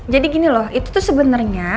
jadi gini loh itu tuh sebenernya